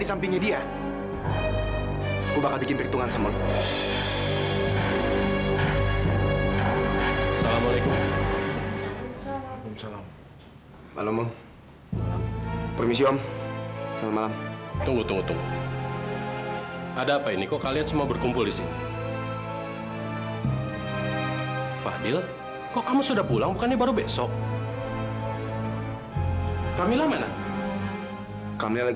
sampai jumpa di video selanjutnya